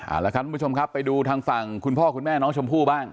เอาละครับทุกผู้ชมครับไปดูทางฝั่งคุณพ่อคุณแม่น้องชมพู่บ้าง